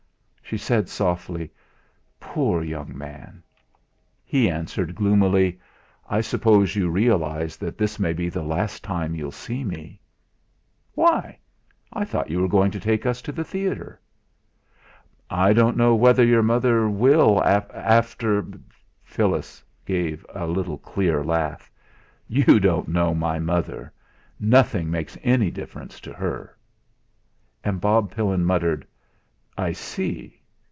She said softly: "Poor young man!" He answered gloomily: "I suppose you realise that this may be the last time you'll see me?" "Why? I thought you were going to take us to the theatre." "I don't know whether your mother will after " Phyllis gave a little clear laugh. "You don't know mother. Nothing makes any difference to her." And Bob Pillin muttered: "I see."